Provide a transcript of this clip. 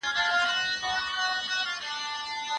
پښتو ټایپنګ یوه اړتیا ده.